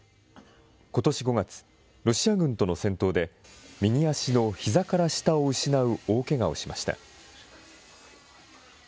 ことし５月、ロシア軍との戦闘で、右足のひざから下を失う大けがをしました。